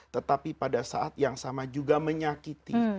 tetapi pada saat yang sama juga menyakiti